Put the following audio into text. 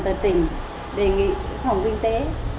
vốn đầu tư trên một tỷ